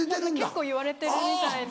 結構いわれてるみたいで。